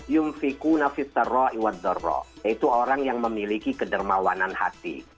yaitu orang yang memiliki kedermawanan hati